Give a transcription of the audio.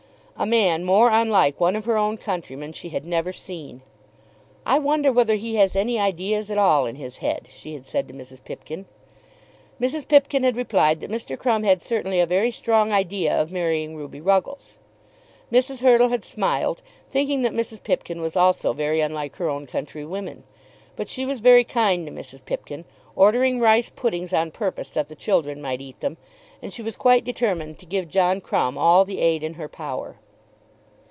A man more unlike one of her own countrymen she had never seen. "I wonder whether he has any ideas at all in his head," she had said to Mrs. Pipkin. Mrs. Pipkin had replied that Mr. Crumb had certainly a very strong idea of marrying Ruby Ruggles. Mrs. Hurtle had smiled, thinking that Mrs. Pipkin was also very unlike her own countrywomen. But she was very kind to Mrs. Pipkin, ordering rice puddings on purpose that the children might eat them, and she was quite determined to give John Crumb all the aid in her power.